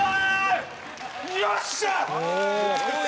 よっしゃ！